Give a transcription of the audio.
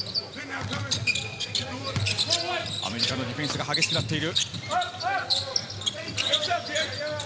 アメリカのディフェンスが激しくなっている。